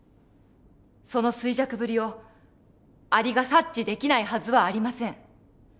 その衰弱ぶりをアリが察知できないはずはありません。